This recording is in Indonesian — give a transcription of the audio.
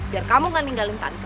biar kamu gak ninggalin tante